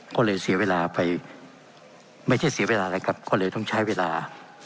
ก็เลยเสียเวลาไปไม่ใช่เสียเวลาอะไรครับก็เลยต้องใช้เวลา